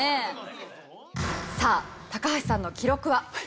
さあ高橋さんの記録は？